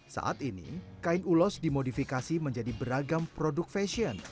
saat ini kain ulos dimodifikasi menjadi beragam produk fashion